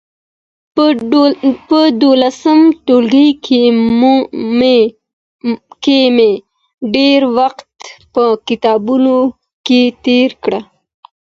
په دولسم ټولګي کي مي ډېر وخت په کتابتون کي تېر کړ.